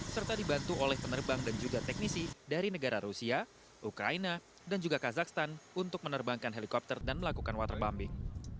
serta dibantu oleh penerbang dan juga teknisi dari negara rusia ukraina dan juga kazakhstan untuk menerbangkan helikopter dan melakukan waterbombing